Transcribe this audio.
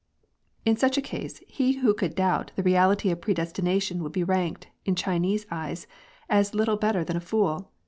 In such a case, he who could doubt the reality of predestination would be ranked, in Chinese eyes, as little better than a fool.